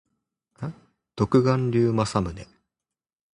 独眼竜政宗